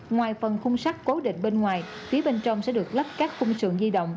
ngoài phần khung sắt cố định bên ngoài phía bên trong sẽ được lắp các khung sườn di động